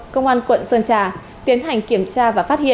công an quận sơn trà tiến hành kiểm tra và phát hiện